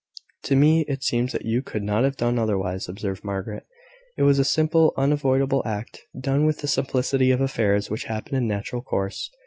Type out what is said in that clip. "To me it seems that you could not have done otherwise," observed Margaret. "It was a simple, unavoidable act, done with the simplicity of affairs which happen in natural course.